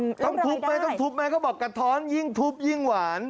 ไม่ต้องทุบไหมเค้าบอกกระท้อนยิ่งทุบยิ่งหวาน